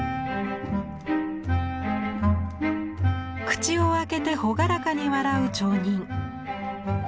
口を開けて朗らかに笑う町人。